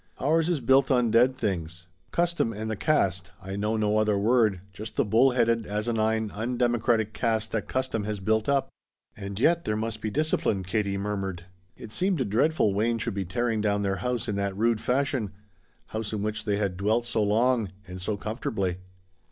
Ours is built on dead things. Custom, and the caste I know no other word just the bull headed, asinine, undemocratic caste that custom has built up." "And yet there must be discipline," Katie murmured: it seemed dreadful Wayne should be tearing down their house in that rude fashion, house in which they had dwelt so long, and so comfortably.